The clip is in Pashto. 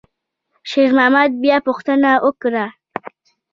شېرمحمد بیا پوښتنه وکړه.